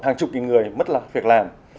hàng chục nghìn người mất việc làm